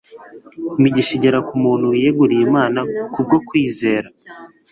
Imigisha igera ku muntu wiyeguriye Imana kubwo kwizera